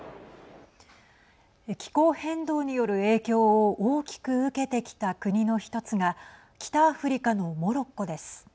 気候変動による影響を大きく受けてきた国の１つが北アフリカのモロッコです。